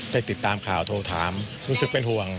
ติดตามข่าวโทรถามรู้สึกเป็นห่วง